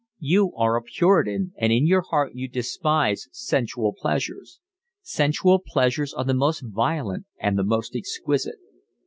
You are a puritan and in your heart you despise sensual pleasures. Sensual pleasures are the most violent and the most exquisite.